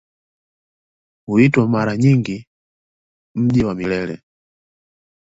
Huitwa mara nyingi "Mji wa Milele".